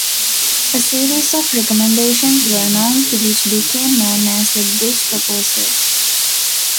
A series of recommendations were announced which became known as the "Birch Proposals".